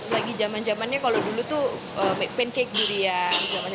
lagi zaman zamannya kalau dulu itu pancake durian